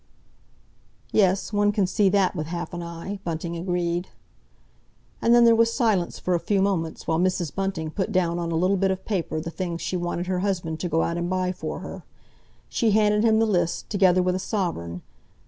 "Yes, one can see that with half an eye," Bunting agreed. And then there was silence for a few moments, while Mrs. Bunting put down on a little bit of paper the things she wanted her husband to go out and buy for her. She handed him the list, together with a sovereign.